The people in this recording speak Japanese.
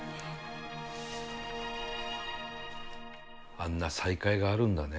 あんな再会があるんだね。